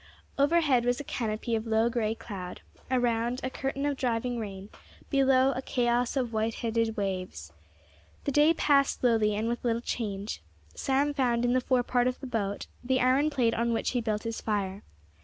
Overhead was a canopy of low grey cloud; around, a curtain of driving rain; below, a chaos of white headed waves. The day passed slowly, and with little change. Sam found in the fore part of the boat the iron plate on which he built his fire.